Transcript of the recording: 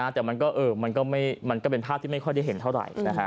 แต่มันก็เป็นภาพที่ไม่ค่อยได้เห็นเท่าไหร่